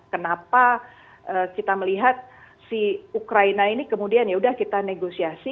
kenapa kita melihat si ukraina ini kemudian yaudah kita negosiasi